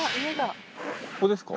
ここですか？